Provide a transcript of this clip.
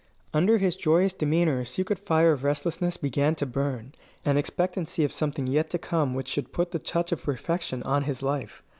Under his joyous demeanour a secret fire of restlessness began to burn an expectancy of something yet to come which should put the touch of perfection on his life.